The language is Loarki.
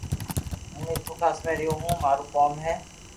ھون ميرپوخاص ۾ رھيو ھون مارو ڪوم ھي